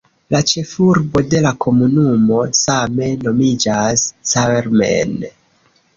La ĉefurbo de la komunumo same nomiĝas "Carmen".